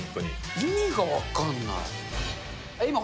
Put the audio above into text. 意味が分かんない。